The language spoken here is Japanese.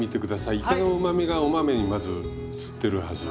いかのうまみがお豆にまずうつってるはず。